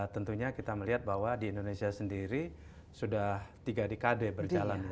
tentunya kita melihat bahwa di indonesia sendiri sudah tiga dekade berjalan